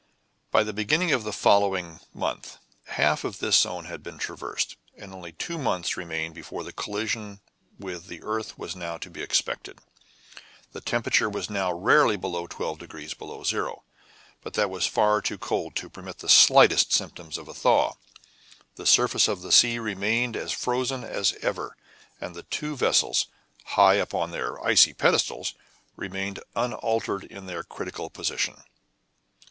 By the beginning of the following month half of this zone had been traversed, and only two months remained before the collision with the earth was to be expected. The temperature was now rarely below 12 degrees below zero, but that was far too cold to permit the slightest symptoms of a thaw. The surface of the sea remained as frozen as ever, and the two vessels, high up on their icy pedestals, remained unaltered in their critical position.